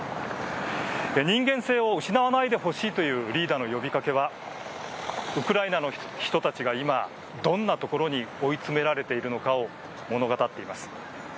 人間性を失わないでほしいというリーダの呼びかけはウクライナの人たちが今どんなところに追い詰められているのかを物語っています。